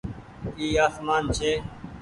اي آسمان ڇي۔